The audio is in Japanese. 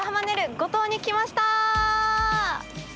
五島に来ました！